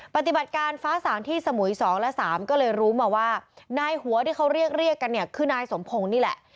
ปฏิบัติการฟ้าสางที่สมุย๒และ๓ก็เลยรู้มาว่านายหัวที่เขาเรียกเรียกกันเนี่ยคือนายสมพงศ์นี่แหละ